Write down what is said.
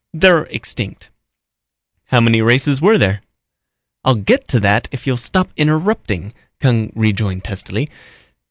"They're extinct." "How many races were there?" "I'll get to that if you'll stop interrupting," Kung rejoined testily.